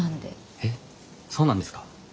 えっそうなんですか。